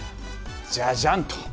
じゃじゃんと。